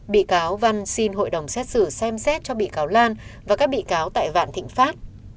bị cáo văn xin hội đồng xét xử xem xét cho bị cáo lan và các bị cáo tại vạn thịnh pháp